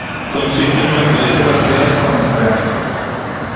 Consiste en un esqueleto parcial con el cráneo.